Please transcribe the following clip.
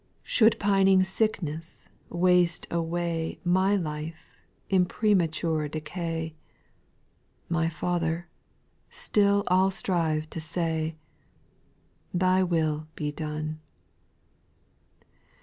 3. Should pining sickness waste away My life in premature decay. My Father, still I '11 strive to say, " Thy will be done.'